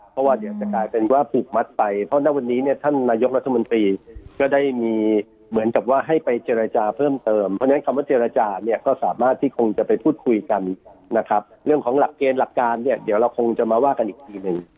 เพราะว่าเดี๋ยวจะกลายเป็นว่าผูกมัดไปเพราะณวันนี้เนี่ยท่านนายกรัฐมนตรีก็ได้มีเหมือนกับว่าให้ไปเจรจาเพิ่มเติมเพราะฉะนั้นคำว่าเจรจาเนี่ยก็สามารถที่คงจะไปพูดคุยกันนะครับเรื่องของหลักเกณฑ์หลักการเนี่ยเดี๋ยวเราคงจะมาว่ากันอีกทีหนึ่ง